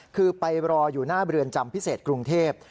คือไปรออยู่หน้าเรือนจำพิเศษกรุงเทพ